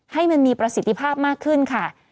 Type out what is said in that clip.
ให้มันมีประสิทธิภาพมากขึ้นค่ะ